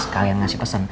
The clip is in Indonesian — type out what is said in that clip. kalian ngasih pesen